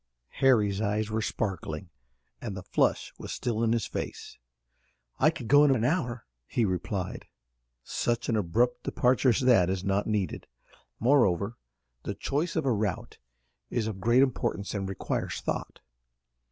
Harry's eyes were sparkling, and the flush was still in his face. "I could go in an hour," he replied. "Such an abrupt departure as that is not needed. Moreover the choice of a route is of great importance and requires thought.